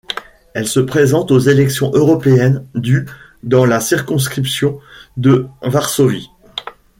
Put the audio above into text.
Elle se présente aux élections européennes du dans la circonscription de Varsovie-.